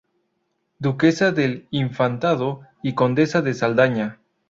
Duquesa del Infantado, y Condesa de Saldaña.